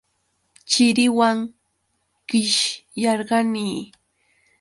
Chiriwan qishyarqani.